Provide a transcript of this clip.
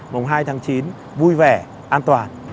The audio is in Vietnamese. mùng hai tháng chín vui vẻ an toàn